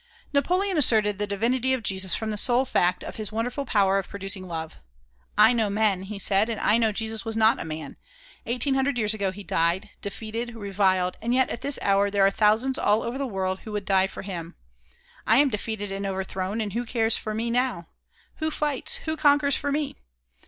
Napoleon asserted the divinity of Jesus from the sole fact of his wonderful power of producing love. "I know men," he said, "and I know Jesus was not a man; eighteen hundred years ago he died defeated, reviled, and yet at this hour there are thousands all over the world who would die for him. I am defeated and overthrown, and who cares for me now? Who fights, who conquers for me?